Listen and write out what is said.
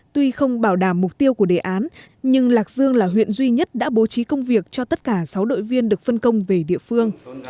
tuy không bảo đảm mục tiêu của đề án nhưng lạc dương là huyện duy nhất đã bố trí công việc cho tất cả sáu đội viên được phân công về địa phương